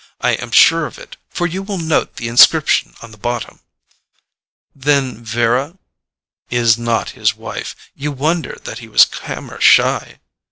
I am sure of it, for you will note the inscription on the bottom." "Then Vera ?" "Is not his wife. You wonder that he was camera shy?"